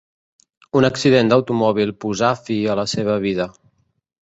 Un accident d'automòbil posà fi a la seva vida.